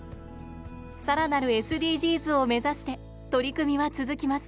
さらなるＳＤＧｓを目指して取り組みは続きます。